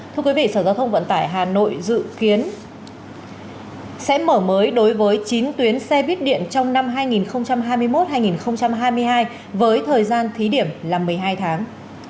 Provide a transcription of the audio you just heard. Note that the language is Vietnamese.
thưa quý vị sở giao thông vận tải hà nội dự kiến sẽ mở mới đối với chín tuyến xe buýt điện trong năm hai nghìn hai mươi một hai nghìn hai mươi hai với thời gian thí điểm là một mươi hai tháng